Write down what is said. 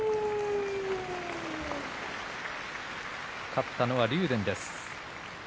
勝ったのは竜電です。